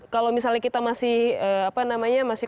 kalau misalnya kita masih